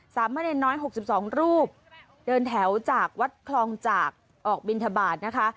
สามเณรน้อยหกสิบสองรูปเดินแถวจากวัดคลองจากออกบินทบาทนะคะ